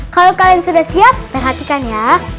kalau kalian sudah siap perhatikan ya